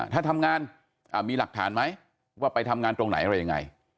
ถ้าทำงานมีหลักฐานไหมว่าไปทำงานตรงไหนอะไรยังไง